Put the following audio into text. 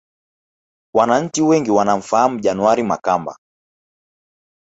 Wananchi wengi wanamfahamu January Makamba